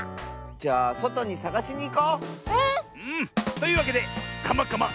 じゃあそとにさがしにいこう！ね！というわけで「カマカマ！